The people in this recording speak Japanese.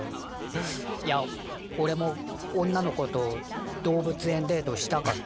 いやおれも女の子と動物園デートしたかったなって。